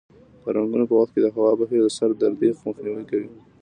د رنګولو په وخت کې د هوا بهیر د سر دردۍ مخنیوی کوي.